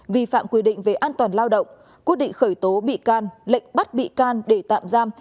vi phạm quy định về an toàn lao động quyết định khởi tố bị can lệnh bắt bị can để tạm giam